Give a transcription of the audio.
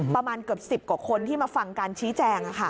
ประมาณเกือบ๑๐กว่าคนที่มาฟังการชี้แจง